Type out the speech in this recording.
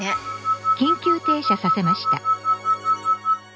「緊急停車させました」。